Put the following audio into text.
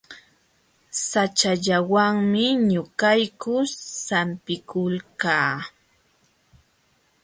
Saćhallawanmi ñuqayku sampikulkaa.